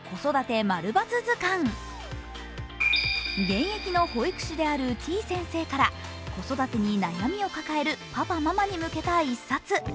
現役の保育士であるてぃ先生から子育てに悩みを抱えるパパママに向けた１冊。